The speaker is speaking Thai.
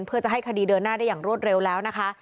เพื่อจะให้คดีเดินหน้าได้อย่างรวดเร็วแล้วนะคะ